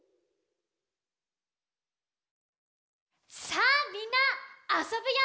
さあみんなあそぶよ！